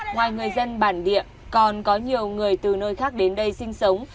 ngoài người dân bản địa còn có nhiều người từ nơi khác đến đây sinh sống